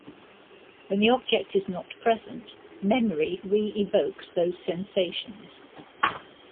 When the object is not present, memory re-evokes those sensations.